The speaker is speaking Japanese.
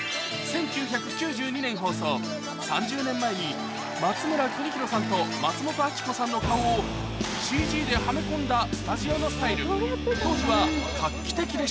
放送３０年前に松村邦洋さんと松本明子さんの顔をＣＧではめ込んだスタジオのスタイル